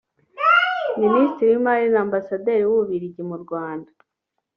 Ministiri w’imari na Ambasaderi w’u Bubiligi mu Rwanda